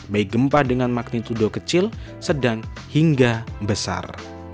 baik gempa dengan magnitudo kecil sedang hingga besar